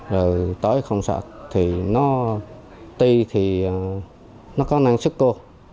rồi tỏi không sạch thì nó tuy thì nó có năng sức cô